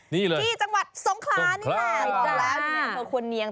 นี่เลยที่จังหวัดสงครานี่แหละจังหวัดควนเนียง